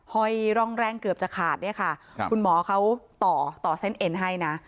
ห้อยร่องแรงเกือบจะขาดเนี่ยค่ะคุณหมอเขาต่อต่อเส้นเอ็นให้นะ